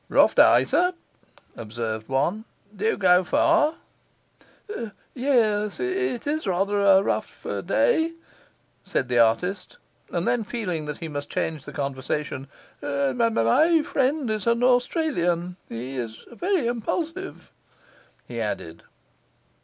'Rough day, sir,' observed one. 'Do you go far?' 'Yes, it's a rather a rough day,' said the artist; and then, feeling that he must change the conversation, 'My friend is an Australian; he is very impulsive,' he added.